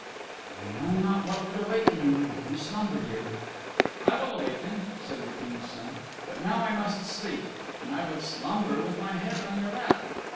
"I know not what would awaken you if you slumber here." "I will awaken," said the King's Son, "but now I must sleep, and I would slumber with my head on your lap."